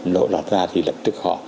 nộ lọt ra thì lập tức họ